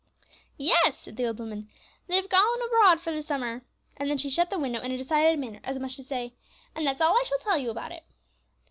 "Yes," said the old woman, "they've all gone abroad for the summer;" and then she shut the window in a decided manner, as much as to say, "And that's all I shall tell you about it."